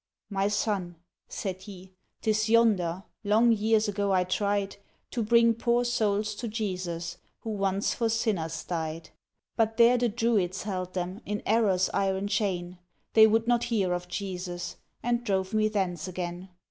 "My son," said he, "'tis yonder, Long years ago I tried To bring poor souls to Jesus, Who once for sinners died. But there the Druids held them In error's iron chain, {12a} They would not hear of Jesus, And drove me thence again.